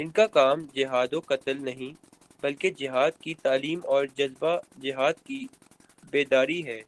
ان کا کام جہاد و قتال نہیں، بلکہ جہادکی تعلیم اور جذبۂ جہاد کی بیداری ہے